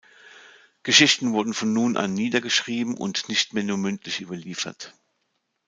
Geschichten wurden von nun an niedergeschrieben und nicht mehr nur mündlich überliefert.